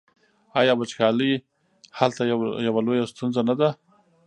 آیا وچکالي هلته یوه لویه ستونزه نه ده؟